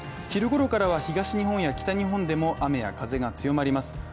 昼ごろからは東日本や北日本でも雨や風が強まります。